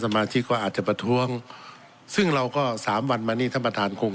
มาชิกก็อาจจะประท้วงซึ่งเราก็สามวันมานี่ท่านประธานคง